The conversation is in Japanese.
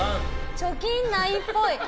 貯金無いっぽい。